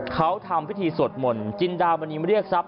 เขาทำพิธีสวดหม่นจินดาววันนี้ไม่เรียกซับ